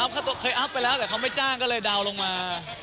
เคยอัพไปแล้วแต่เขาไม่จ้างก็เลยเดาลงมา